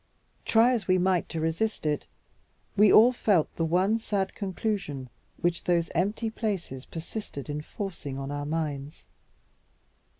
Try as we might to resist it, we all felt the one sad conclusion which those empty places persisted in forcing on our minds.